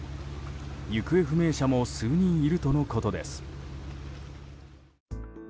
行方不明者も数人いるとのことです。